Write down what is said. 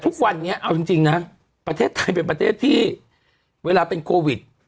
ทุกวันนี้เอาจริงนะประเทศไทยเป็นประเทศที่เวลาเป็นโควิด